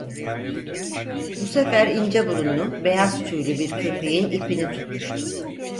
Bu sefer ince burunlu, beyaz tüylü bir köpeğin ipini tutmuştu.